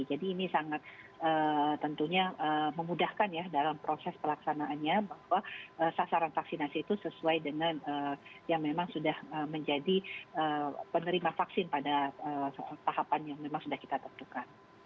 jadi ini sangat tentunya memudahkan ya dalam proses pelaksanaannya bahwa sasaran vaksinasi itu sesuai dengan yang memang sudah menjadi penerima vaksin pada tahapan yang memang sudah kita tentukan